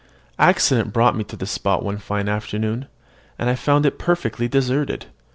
Accident brought me to the spot one fine afternoon, and I found it perfectly deserted.